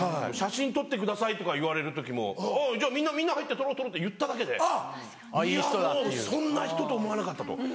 「写真撮ってください」とか言われる時も「じゃあみんな入って撮ろう」って言っただけで「いやもうそんな人と思わなかった」と。